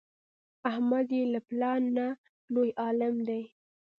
احمد یې له پلار نه لوی عالم دی.